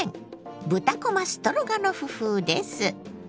「豚こまストロガノフ風」です。